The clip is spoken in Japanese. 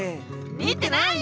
「見てないよ」